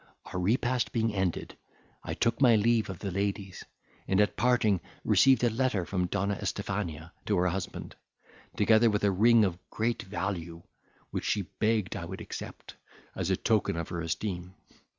Our repast being ended, I took my leave of the ladies, and at parting received a letter from Donna Estifania to her husband, together with a ring of great value, which she begged I would accept, as a token of her esteem.